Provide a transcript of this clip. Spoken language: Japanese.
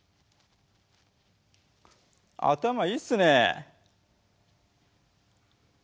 頭いいっすね！